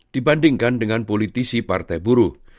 dibandingkan dengan politisi partai buruh